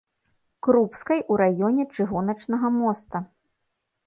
Крупскай у раёне чыгуначнага моста.